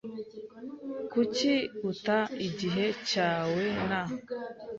Kuki uta igihe cyawe na ?